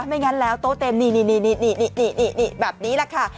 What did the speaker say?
ไม่งั้นแล้วโต๊ะเต็มนี่แบบนี้แหละค่ะ